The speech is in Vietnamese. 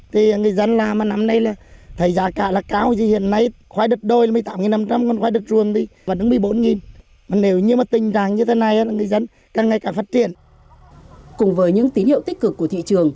thì người dân làm mà năm nay là thấy giá cả là cao thì người dân làm mà năm nay là thấy giá cả là cao